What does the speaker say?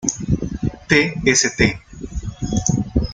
The St.